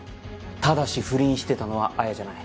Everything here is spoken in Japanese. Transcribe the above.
ただし不倫してたのは彩矢じゃない。